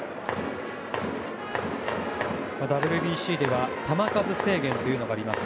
ＷＢＣでは球数制限というものがあります。